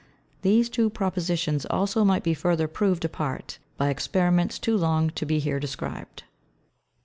These two Propositions also might be further proved apart, by Experiments too long to be here described.